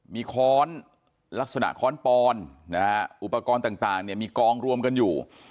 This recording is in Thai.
มีค้อนลักษณะค้อนปอนนะฮะอุปกรณ์ต่างมีกองรวมกันอยู่